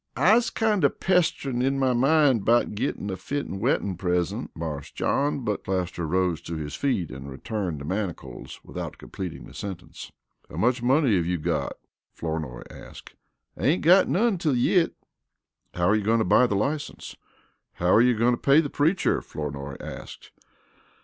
"I's kinder pestered in my mind 'bout gittin' a fitten weddin' present, Marse John, but " Plaster rose to his feet and returned the manacles without completing his sentence. "How much money have you got?" Flournoy asked. "I ain't got none till yit." "How you going to buy the license? How you going to pay the preacher?" Flournoy asked.